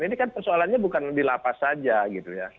ini kan persoalannya bukan dilapas saja gitu ya